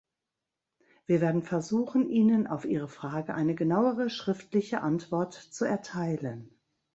Wir werden versuchen, Ihnen auf Ihre Frage eine genauere schriftliche Antwort zu erteilen.